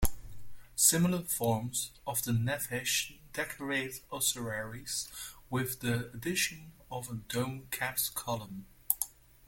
Similar forms of the nefesh decorate ossuaries, with the addition of a dome-capped column.